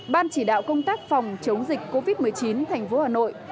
ban chỉ đạo công tác phòng chống dịch covid một mươi chín thành phố hà nội